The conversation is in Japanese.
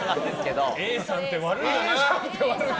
Ａさんって悪いよな。